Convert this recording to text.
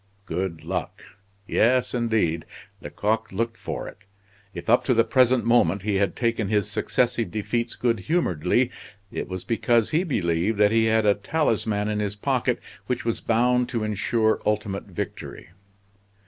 Good luck! Yes, indeed, Lecoq looked for it. If up to the present moment he had taken his successive defeats good humoredly, it was because he believed that he had a talisman in his pocket which was bound to insure ultimate victory.